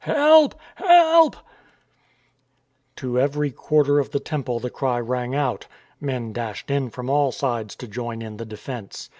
Help ! Help !" To every quarter of the Temple the cry rang out. Men dashed in from all sides to join in the defence.